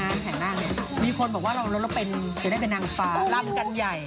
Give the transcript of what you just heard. กระท้คแผนหน้าเนี่ยมีคนบอกว่าเป็นนางฟ้ารำกันใหญ่